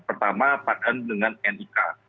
pertama padan dengan nik